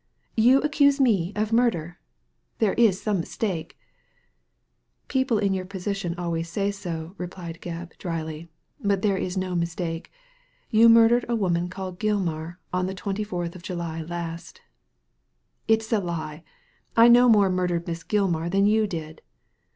" You accuse me of murder ? There is some mistake" "People in your position always say so," replied Gebb, dryly ;but there is no mistake. You murdered a woman called Gilmar on the twenty fourth of July last" "It's a lie! I no more murdered Miss Gilmar than you did."